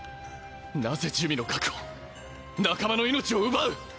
なぜ珠魅の核を仲間の命を奪う？